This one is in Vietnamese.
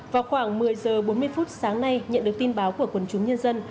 vào khoảng một mươi h bốn mươi phút sáng nay nhận được tin báo của quần chúng nhân dân